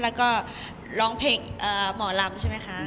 แล้วก็ร้องเพลงหมอลำใช่ไหมคะ